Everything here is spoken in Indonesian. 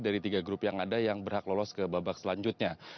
dari tiga grup yang ada yang berhak lolos ke babak selanjutnya